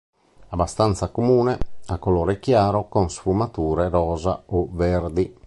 Abbastanza comune, ha colore chiaro con sfumature rosa o verdi.